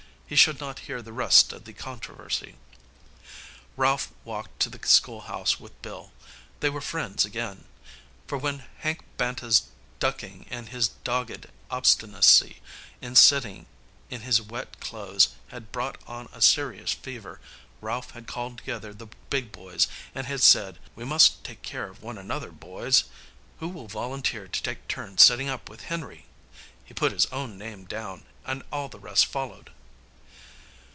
He should not hear the rest of the controversy. Ralph walked to the school house with Bill. They were friends again. For when Hank Banta's ducking and his dogged obstinacy in sitting in his wet clothes had brought on a serious fever, Ralph had called together the big boys, and had said: "We must take care of one another, boys. Who will volunteer to take turns sitting up with Henry?" He put his own name down, and all the rest followed.